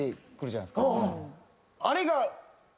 あれが。